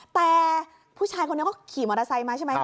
แต่ผู้ชายคนนี้ก็ขี่มอเตอร์ไซค์มาใช่ไหม